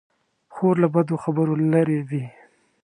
خور له بدو خبرو لیرې وي.